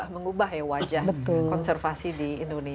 mengubah ya wajah konservasi di indonesia